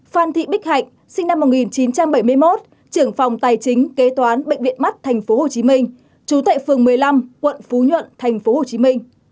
phan thị bích hạnh sinh năm một nghìn chín trăm bảy mươi một trưởng phòng tài chính kế toán bệnh viện mắt tp hcm chú tại phường một mươi năm quận phú nhuận tp hcm